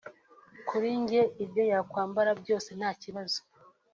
Kuri jye ibyo yakwambara byose nta kibazo